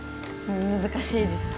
難しいです。